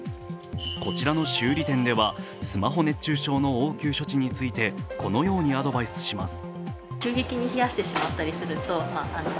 こちらの修理店ではスマホ熱中症の応急処置についてこのようにアドバイスします。